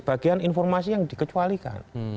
bagian informasi yang dikecualikan